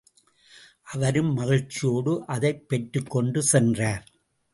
அவரும் மகிழ்ச்சியோடு அதைப் பெற்றுக் கொண்டு சென்றார்.